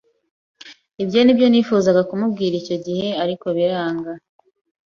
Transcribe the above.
ibyo nibyo nifuzaga kumubwira icyo gihe ariko biranga